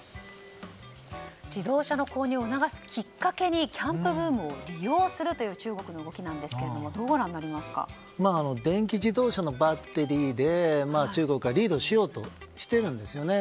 自動車の購入を促すきっかけにキャンプブームを利用するという中国の動きですが電気自動車のバッテリーで中国はリードしようとしているんですよね。